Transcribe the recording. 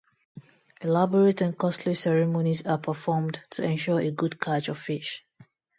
Elaborate and costly ceremonies are performed to ensure a good catch of fish.